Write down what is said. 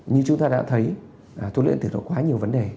như chúng ta đã thấy thuốc lá điện tử có quá nhiều vấn đề